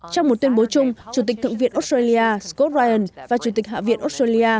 trong một tuyên bố chung chủ tịch thượng viện australia scott ryan và chủ tịch hạ viện australia